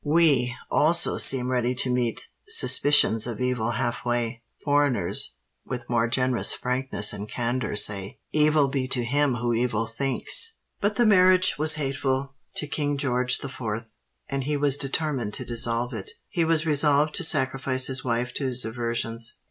We also seem ready to meet suspicions of evil half way: foreigners, with more generous frankness and candour, say, 'Evil be to him who evil thinks.' But the marriage was hateful to King George the Fourth; and he was determined to dissolve it. He was resolved to sacrifice his wife to his aversions.